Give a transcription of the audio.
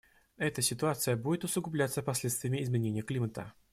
Эта ситуация будет усугубляться последствиями изменения климата.